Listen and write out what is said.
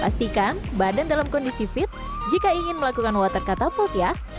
pastikan badan dalam kondisi fit jika ingin melakukan water cataput ya